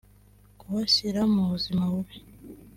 kubashyira mu buzima bubi